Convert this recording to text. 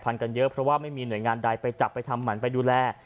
กันเยอะเพราะว่าไม่มีหน่วยงานใดไปจับไปทำหมันไปดูแล